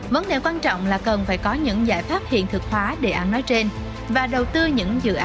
vấn đề quan trọng là cần phải có những giải pháp hiện thực hóa đề án nói trên